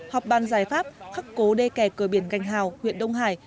họp ban giải pháp khắc cố đê kẻ cửa biển cành hào huyện đông hải